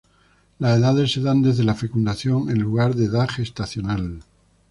La edades se dan desde la fecundación en lugar de edad gestacional.